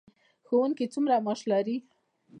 ښوونکي څومره معاش لري؟